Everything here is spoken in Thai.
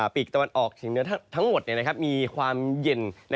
ปีกตะวันออกจึงนื่นทั้งหมดมีความยิน